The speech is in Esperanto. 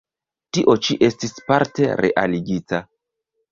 Tio ĉi estis parte realigita.